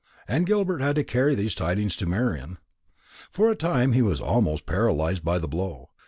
And Gilbert had to carry these tidings to Marian. For a time he was almost paralyzed by the blow.